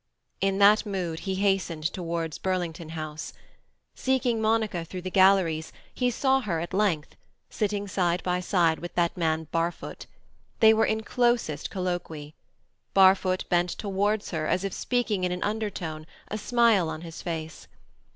In that mood he hastened towards Burlington House. Seeking Monica through the galleries, he saw her at length—sitting side by side with that man Barfoot. They were in closest colloquy. Barfoot bent towards her as if speaking in an undertone, a smile on his face.